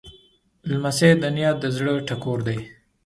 لمسی د نیا د زړه ټکور دی.